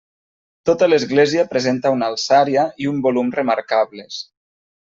Tota l'església presenta una alçària i un volum remarcables.